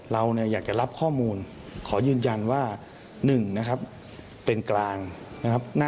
เราต้องวางตัวเป็นการก่อน